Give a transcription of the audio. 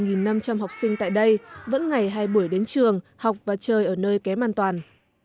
gần một năm trăm linh học sinh tại đây vẫn ngày hai buổi đến trường học và chơi ở nơi kém an toàn